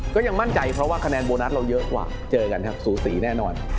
ก็ยังมั่นใจเพราะว่าคะแนนโบนัสเราเยอะกว่าเจอกันครับสูสีแน่นอน